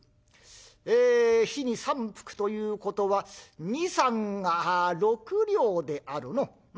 ええ日に３服ということは２×３＝６両であるのう。